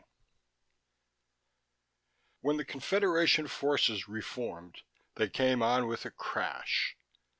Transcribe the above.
22 When the Confederation forces reformed, they came on with a crash.